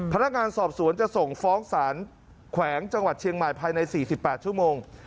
พนักงานสอบสวนจะส่งฟ้องศาลแขวงจังหวัดเชียงใหม่ภายใน๔๘ชั่วโมง